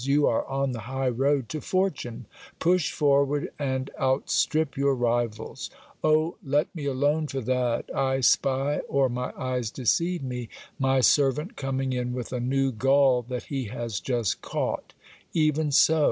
You are on the high road to fortune ; push forward, and outstrip your rivals. Oh ! let me alone for that. I spy, or my eyes deceive me, my servant coming in with a new gull that he has just caught. Even so